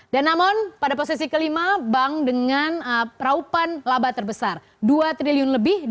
dan namun pada posisi kelima bank dengan raupan laba terbesar dua triliun lebih